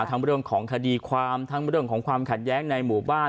ทั้งเวลาของคดีความทั้งเวลาของความขัดแย้งในหมู่บ้าน